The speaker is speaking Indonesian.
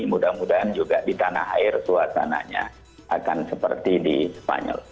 mudah mudahan juga di tanah air suasananya akan seperti di spanyol